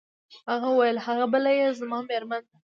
هغه وویل: هغه بله يې بیا زما مېرمن ده.